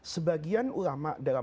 sebagian ulama dalam